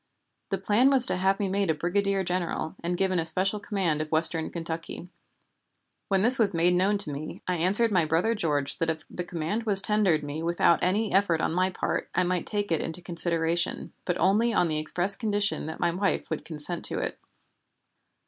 The plan was to have me made a brigadier general, and given a special command of western Kentucky. When this was made known to me I answered my brother George that if the command was tendered me without any effort on my part I might take it into consideration, but only on the express condition that my wife would consent to it.